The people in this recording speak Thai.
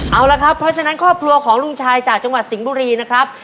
เอาละครับเพราะฉะนั้นครอบครัวของลุงชายจากจังหวัดสิงห์บุรีนะครับ